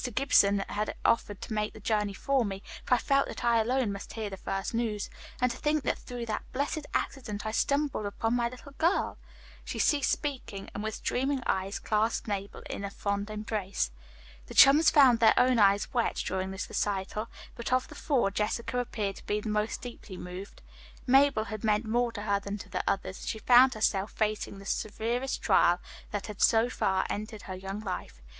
Gibson had offered to make the journey for me, but I felt that I alone must hear the first news and to think that through that blessed accident I stumbled upon my little girl." She ceased speaking and with streaming eyes again clasped Mabel in a fond embrace. The chums found their own eyes wet, during this recital, but of the four, Jessica appeared to be the most deeply moved. Mabel had meant more to her than to the others, and she found herself facing the severest trial that had so far entered her young life.